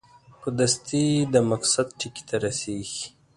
په دستي د مقصد ټکي ته رسېږي.